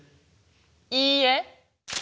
いいえ。